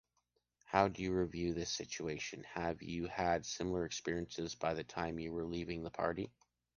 How do you review this situation? Have you had similar experiences by the time you were leaving the party?